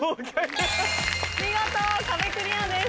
見事壁クリアです。